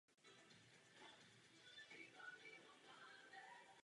Jako příklad lze uvést vztah zákulisí a jeviště.